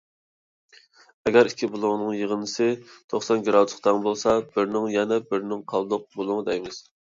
ئەگەر ئىككى بۇلۇڭنىڭ يىغىندىسى توقسان گىرادۇسقا تەڭ بولسا، بىرىنى يەنە بىرىنىڭ قالدۇق بۇلۇڭى دەيمىز.